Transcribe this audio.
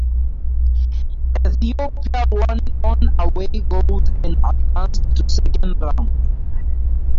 Ethiopia won on away goals and advanced to second round.